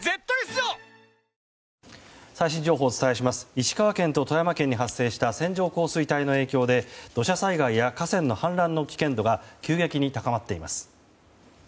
石川県と富山県に発生した線状降水帯の影響で土砂災害や河川の氾濫の危険度が急激に高まっています。